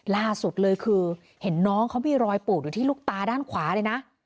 ล่าสุดเลยคือเห็นน้องเขามีรอยปูดอยู่ที่ลูกตาด้านขวาเลยนะ